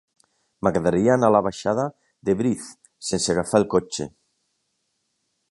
M'agradaria anar a la baixada de Briz sense agafar el cotxe.